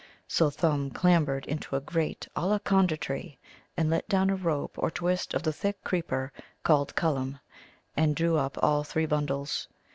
So Thumb clambered into a great Ollaconda tree, and let down a rope or twist of the thick creeper called Cullum, and drew up all three bundles.